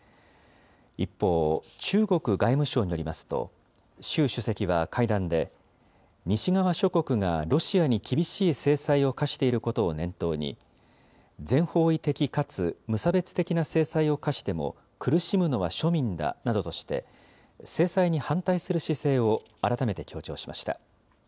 一方、中国外務省によりますと、習主席は会談で、西側諸国がロシアに厳しい制裁を科していることを念頭に、全方位的かつ無差別的な制裁を科しても苦しむのは庶民だなどとして、制裁に反対する姿勢を改めて強調しました。